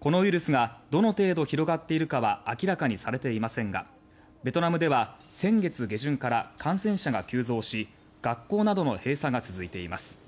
このウイルスがどの程度広がっているかは明らかにされていませんがベトナムでは先月下旬から感染者が急増し学校などの閉鎖が続いています。